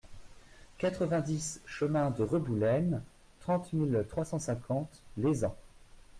quatre-vingt-dix chemin de Reboulène, trente mille trois cent cinquante Lézan